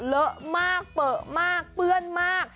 เลอะมากเปลือมากเปื้อนมาก